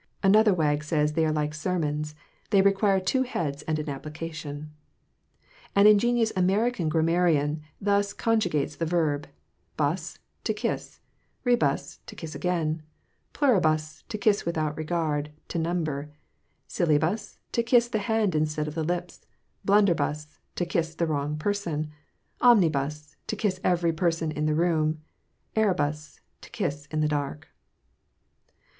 Another wag says they are like sermons, they require two heads and an application. An ingenious American grammarian thus conjugates the verb: Buss, to kiss; rebus, to kiss again; pluribus, to kiss without regard to number; sillybus, to kiss the hand instead of the lips; blunderbus, to kiss the wrong person; omnibus, to kiss every person in the room; erebus, to kiss in the dark.